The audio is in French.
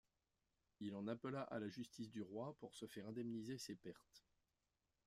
Il en appela à la justice du roi pour se faire indemniser ses pertes.